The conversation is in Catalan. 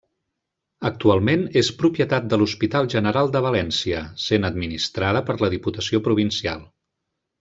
Actualment és propietat de l'Hospital General de València, sent administrada per la Diputació Provincial.